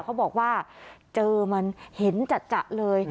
เขาบอกว่าเจอมันเห็นจัดเลย